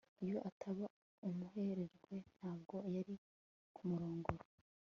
iyo ataba umuherwe, ntabwo yari kumurongora